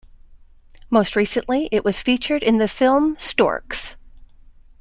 Most recently, it was featured in the film, "Storks".